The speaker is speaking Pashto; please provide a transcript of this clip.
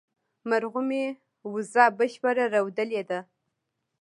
مرغومي، وزه بشپړه رودلې ده